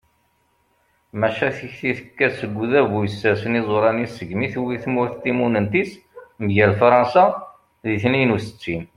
maca tikti tekka-d seg udabu yessersen iẓuṛan-is segmi tewwi tmurt timunent-is mgal fṛansa di tniyen u settin